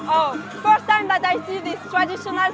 oh pertama kali saya lihat sebuah sport tradisional ini